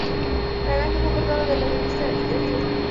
La imagen fue portada de la revista "Interviú".